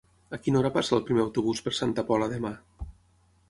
A quina hora passa el primer autobús per Santa Pola demà?